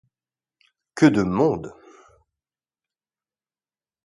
Que de monde!